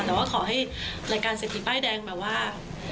แต่ว่าขอให้รายการเศรษฐีป้ายแดงแบบว่า